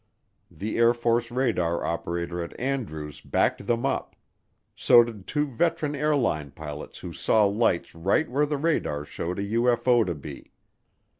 The Air Force radar operator at Andrews backed them up; so did two veteran airline pilots who saw lights right where the radar showed a UFO to be.